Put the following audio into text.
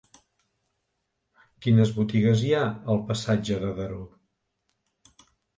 Quines botigues hi ha al passatge de Daró?